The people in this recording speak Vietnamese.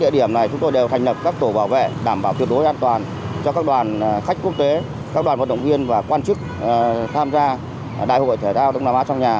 để đảm bảo an toàn cho các đoàn khách quốc tế các đoàn vận động viên và quan chức tham gia đại hội thể thao đông nam á trong nhà